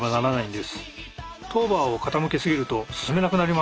トーバーを傾け過ぎると進めなくなります。